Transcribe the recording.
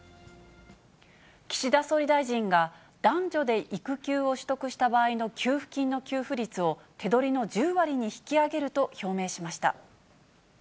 岸田総理大臣が、男女で育休を取得した場合の給付金の給付率を、手取りの１０割に引き上げると表明しました。